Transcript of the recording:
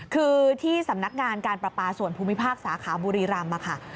คือที่สำนักงานการประปาส่วนภูมิภาคสาขาบุรีรำค่ะ